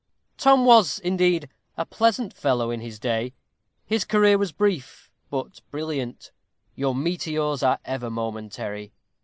Tom was indeed a pleasant fellow in his day. His career was brief, but brilliant: your meteors are ever momentary.